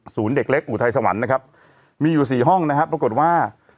เด็กเล็กอุทัยสวรรค์นะครับมีอยู่สี่ห้องนะครับปรากฏว่า